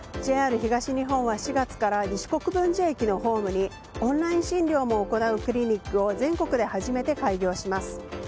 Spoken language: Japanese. ＪＲ東日本は４月から西国分寺駅のホームにオンライン診療も行うクリニックを全国で初めて開業します。